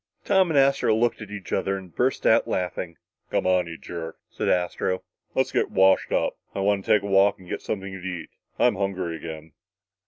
Tom and Astro looked at each other and burst out laughing. "Come on, you jerk," said Astro, "let's get washed up. I wanta take a walk and get something to eat. I'm hungry again!"